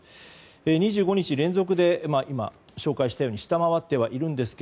２５日連続で今紹介したように下回っているんですが